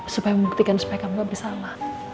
supaya membuktikan supaya kamu gak bersalah